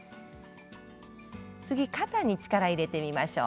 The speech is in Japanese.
次に肩に力を入れてみましょう。